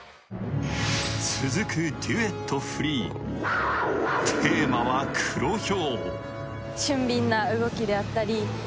続くデュエットフリー、テーマは「黒豹」。